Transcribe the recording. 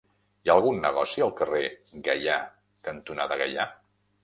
Hi ha algun negoci al carrer Gaià cantonada Gaià?